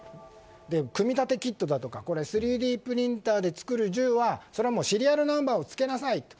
組み立てキットだとか３Ｄプリンターで作る銃はシリアルナンバーをつけなさいと。